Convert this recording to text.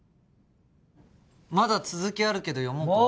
まだ続きあるけど読もうか？